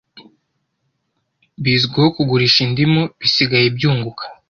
Bizwiko kugurisha indimu bisigaye byunguka